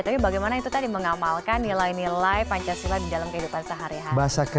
tapi bagaimana itu tadi mengamalkan nilai nilai pancasila di dalam kehidupan sehari hari